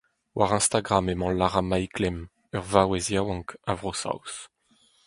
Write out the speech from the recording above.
War Instagram emañ Lara Maiklem, ur vaouez yaouank a Vro-Saoz.